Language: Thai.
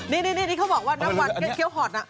นี่เขาบอกว่าน้ำวันเกี้ยหอน